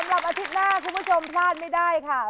และสำหรับอาทิตย์หน้าคุณผู้ชมพลาดไม่ได้ค่ะ